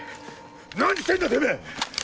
何してんだてめぇ！